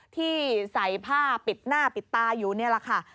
ที่ใส่ผ้าปิดหน้าปิดตาอยู่นี่แหละค่ะ